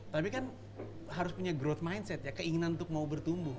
tapi kan harus punya growth mindset ya keinginan untuk mau bertumbuh